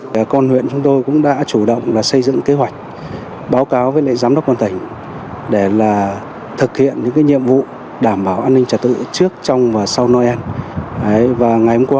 trong dịp này công an huyện huy động một trăm linh lực lượng tham gia bảo đảm an ninh trật tự trước trong và sau noel